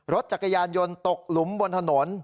รถจักรยานยนต์ตกหลุมบนถนน